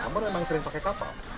ambar memang sering pakai kapal